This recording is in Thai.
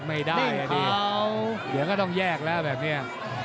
ไม่ได้อ่ะดิเดี๋ยวก็ต้องแยกแล้วแบบนี้